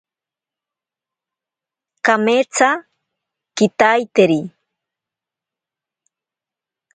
Kametsa kitaiteri.